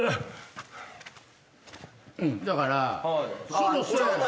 だからそろそろ。